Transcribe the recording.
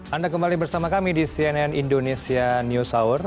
anda kembali bersama kami di cnn indonesia news hour